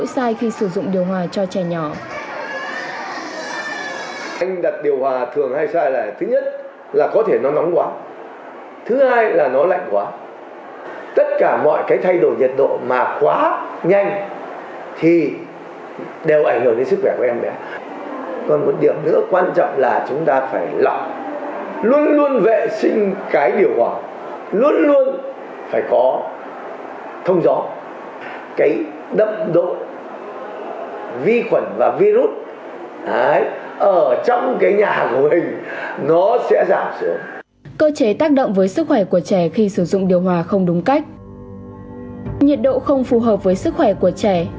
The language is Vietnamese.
sử dụng điều hòa trong gia đình thì gia đình cũng rất lo lắng và chú trọng đến sức khỏe